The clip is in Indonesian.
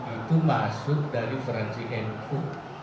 itu masuk dari fraksi nu